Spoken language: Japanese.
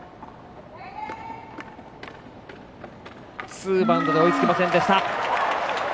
ツーバウンドで追いつきませんでした。